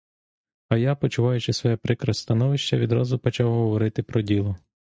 А я, почуваючи своє прикре становище, відразу почав говорити про діло.